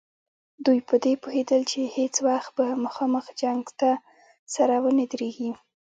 دوی په دې پوهېدل چې هېڅ وخت به مخامخ جنګ ته سره ونه دریږي.